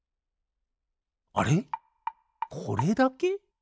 あれこれだけ？